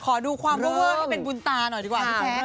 ขอดูความเวอร์ให้เป็นบุญตาหน่อยดีกว่า